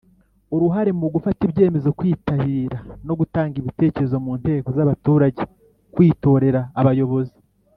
uruhare mu gufata ibyemezo kwitabira no gutanga ibitekerezo mu nteko z abaturage kwitorera abayobozi